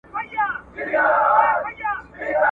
امریکا ته راوستل سوي وه !.